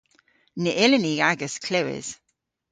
Ny yllyn ni agas klewes.